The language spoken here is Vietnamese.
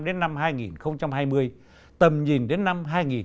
đến năm hai nghìn hai mươi tầm nhìn đến năm hai nghìn ba mươi